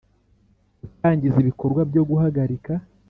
Gutangiza ibikorwa byo guhagarika